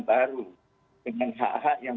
baru dengan hh yang